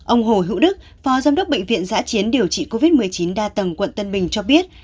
ông hồ hữu đức phó giám đốc bệnh viện giã chiến điều trị covid một mươi chín đa tầng quận tân bình cho biết